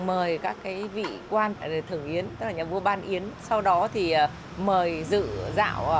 và cái ngày thiên quan này thì thường là người ta tổ chức các cái việc mà cúng lễ